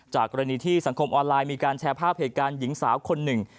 กรณีที่สังคมออนไลน์มีการแชร์ภาพเหตุการณ์หญิงสาวคนหนึ่ง